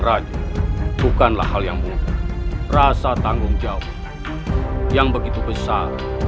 jangan lupa untuk berlangganan dan berlangganan